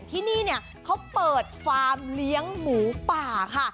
ที่นี่เนี่ยเขาเปิดฟาร์มเลี้ยงหมูป่าค่ะ